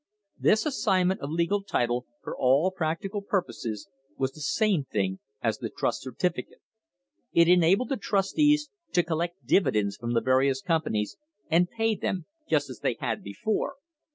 This assignment of legal title, for all practical purposes, was the same thing as the trust certificate. It en abled the trustees to collect dividends from the various com panies and pay them just as they had before.